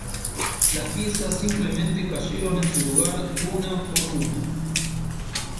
Las piezas simplemente cayeron en su lugar una por una.